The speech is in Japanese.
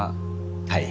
はい。